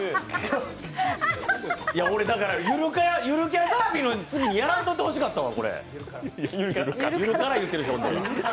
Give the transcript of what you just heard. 俺だから、ゆるキャラダービーの次にやらんとってほしかったわ。